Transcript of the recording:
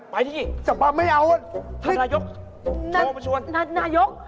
ไปที่ชำปับไม่เอานายกบ๊วยเจ้าประชวน